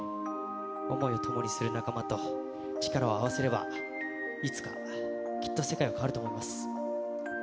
想いを共にする仲間と力を合わせれば、いつかきっと世界は変わると思います。